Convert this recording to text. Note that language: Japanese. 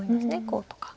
こうとか。